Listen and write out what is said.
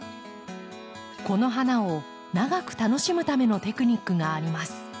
この花を長く楽しむためのテクニックがあります。